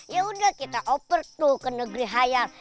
yaudah kita oper tuh ke negeri hayal